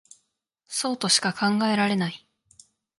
そうとしか考えられない